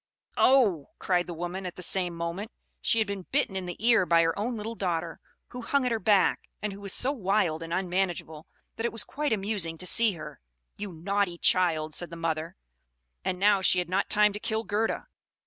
"Oh!" cried the woman at the same moment. She had been bitten in the ear by her own little daughter, who hung at her back; and who was so wild and unmanageable, that it was quite amusing to see her. "You naughty child!" said the mother: and now she had not time to kill Gerda.